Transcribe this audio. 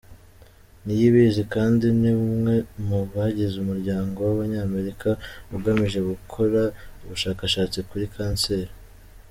Niyibizi kandi ni umwe mu bagize umuryango w’Abanyamerika ugamije gukora ubushakashatsi kuri kanseri.